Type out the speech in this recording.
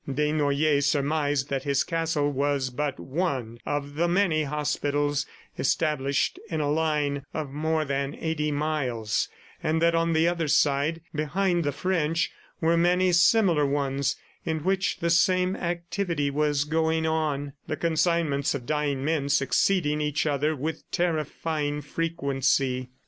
Desnoyers surmised that his castle was but one of the many hospitals established in a line of more than eighty miles, and that on the other side, behind the French, were many similar ones in which the same activity was going on the consignments of dying men succeeding each other with terrifying frequency.